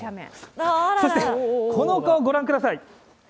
そして、この丘をご覧ください。